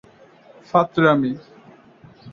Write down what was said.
ফাত্ত্রামি? "